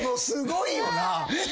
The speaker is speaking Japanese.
すごいよな。